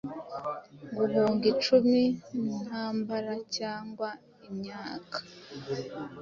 guhunga icumu-ntambaracyangwa imyaka